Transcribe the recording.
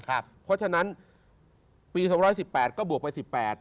เพราะฉะนั้นปี๒๑๘ก็บวกไป๑๘